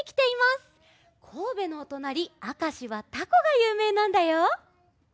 こうべのおとなりあかしはタコがゆうめいなんだよ。